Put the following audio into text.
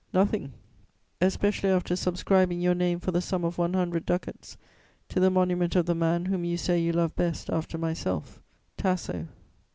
Nothing, especially after subscribing your name for the sum of one hundred ducats to the monument of the man whom you say you love best 'after myself:' Tasso."